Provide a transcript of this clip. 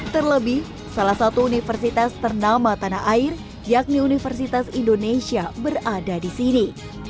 terlebih salah satu universitas ternama tanah air yakni universitas indonesia berada di sini